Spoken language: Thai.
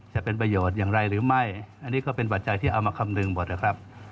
จะเป็นประโยชน์อย่างไรหรือไม่อันนี้ก็เป็นปัจจัยที่เอามาคำนึงหมดนะครับ